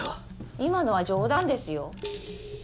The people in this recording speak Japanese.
今のは冗談ですよ